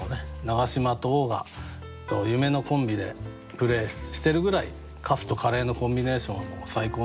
長嶋と王が夢のコンビでプレーしてるぐらいカツとカレーのコンビネーションは最高なんだっていう。